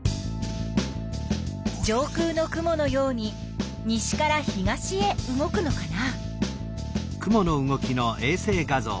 上空の雲のように西から東へ動くのかな？